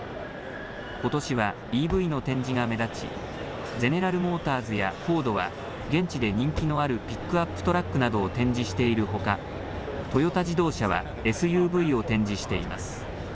ことしはＥＶの展示が目立ちゼネラル・モーターズやフォードは現地で人気のあるピックアップトラックなどを展示しているほかトヨタ自動車はＳＵＶを展示しています。